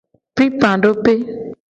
Pipadope.